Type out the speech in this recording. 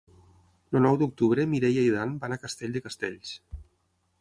El nou d'octubre na Mireia i en Dan van a Castell de Castells.